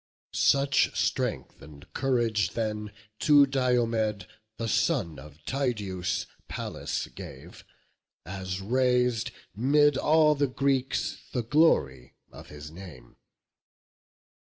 BOOK V. Such strength, and courage then to Diomed, The son of Tydeus, Pallas gave, as rais'd, 'Mid all the Greeks, the glory of his name.